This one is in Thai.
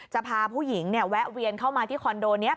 จะพาผู้หญิงเนี่ยแวะเวียนเข้ามาที่คอนโดเนี่ย